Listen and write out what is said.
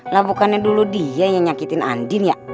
lah bukannya dulu dia yang nyakitin andin ya